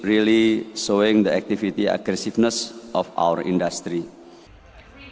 ini benar benar menunjukkan agresifitas aktivitas industri kita